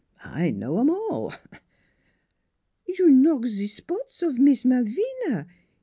I know 'em all." " You knock ze s pots of Mees Malvina?